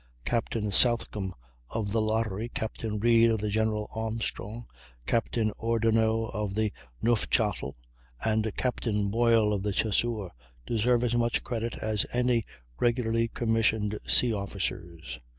Captain Southcombe of the Lottery, Captain Reid of the General Armstrong, Captain Ordronaux of the Neufchatel, and Captain Boyle of the Chasseur, deserve as much credit as any regularly commissioned sea officers.